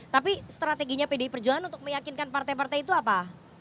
tapi strateginya pdi perjuangan untuk meyakinkan partai partai itu apa